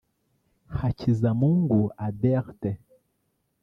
Hakizamungu Adelte